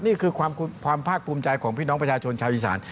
นี่คือความภาคภูมิใจของพี่น้องประชาชนชาวอีสาน